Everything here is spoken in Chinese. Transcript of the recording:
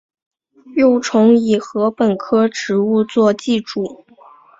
幼虫以禾本科植物作寄主。